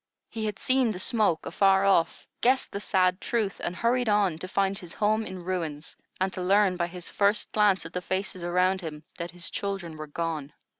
He had seen the smoke afar off, guessed the sad truth, and hurried on, to find his home in ruins, and to learn by his first glance at the faces around him that his children were gone.